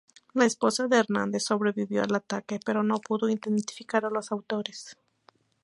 La esposa de Hernández sobrevivió al ataque, pero no pudo identificar a los autores.